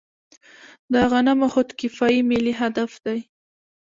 د غنمو خودکفايي ملي هدف دی.